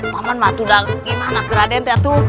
paman mah tuh udah gimana ke raden teh atu